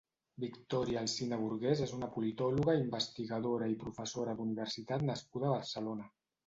Victòria Alsina Burgués és una politòloga, investigadora i professora d'universitat nascuda a Barcelona.